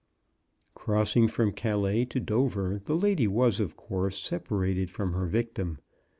Crossing from Calais to Dover the lady was, of course, separated from her victim.